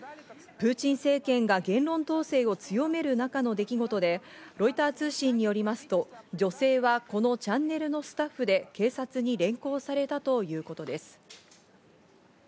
プーチン政権が言論統制を強める中の出来事で、ロイター通信によりますと、女性はこのチャンネルのスタッフで警察に連行されたということです。